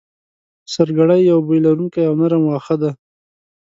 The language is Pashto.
سرګړی یو بوی لرونکی او نرم واخه دی